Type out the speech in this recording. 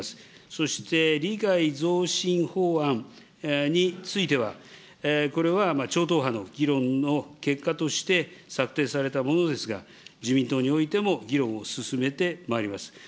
そして理解増進法案については、これは超党派の議論の結果として策定されたものですが、自民党においても議論を進めてまいります。